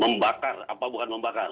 membakar apa bukan membakar